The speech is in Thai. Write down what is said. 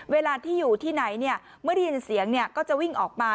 เวลาที่อยู่ที่ไหนเมื่อได้ยินเสียงก็จะวิ่งออกมา